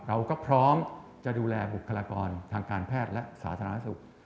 เราก็พร้อมจะดูแลบุคลากรทางการแพทย์และสาธารณสุข